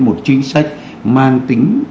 một chính sách mang tính